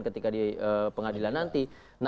ketika di pengadilan nanti